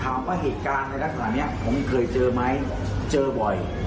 ฐานว่าเหตุการณ์ทางนี้ผมเคยเจอไหมเจอบ่อย